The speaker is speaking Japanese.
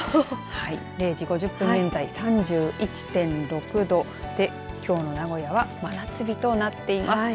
０時５０分現在、３１．６度できょうの名古屋は真夏日となっています。